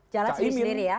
jalan sendiri ya